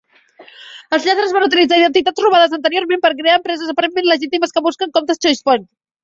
Els lladres van utilitzar identitats robades anteriorment per crear empreses aparentment legítimes que busquen comptes ChoicePoint.